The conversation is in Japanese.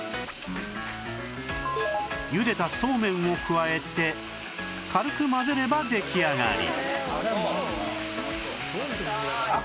ゆでたそうめんを加えて軽く混ぜれば出来上がり